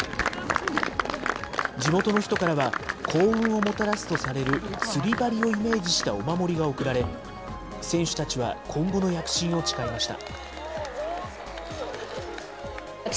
地元の人からは、幸運をもたらすとされる釣り針をイメージしたお守りが贈られ、選手たちは今後の躍進を誓いました。